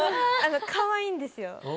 かわいいんですよ。